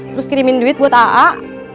terus kirimin duit buat aa